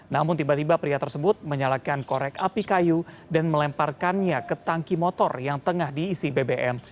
namun tiba tiba pria tersebut menyalakan korek api kayu dan melemparkannya ke tangki motor yang tengah diisi bbm